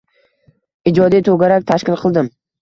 Ijodiy to‘garak tashkil qildim.